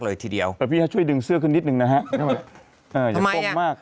เลยทีเดียวแล้วพี่ให้ช่วยดึงเสื้อขึ้นนิดนึงนะฮะอย่าก้มมาก